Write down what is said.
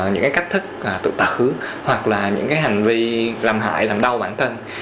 những cái cách thức tự tử hoặc là những cái hành vi làm hại làm đau bản thân